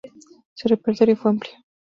Su repertorio fue amplio.